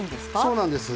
そうなんです。